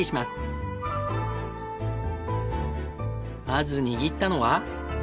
まず握ったのは。